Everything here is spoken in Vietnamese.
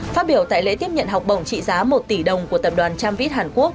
phát biểu tại lễ tiếp nhận học bổng trị giá một tỷ đồng của tập đoàn tramvit hàn quốc